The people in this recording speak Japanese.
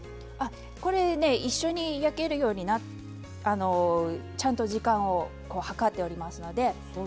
一緒に焼けるようにちゃんと時間を計っておりますので。